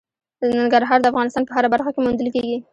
ننګرهار د افغانستان په هره برخه کې موندل کېږي.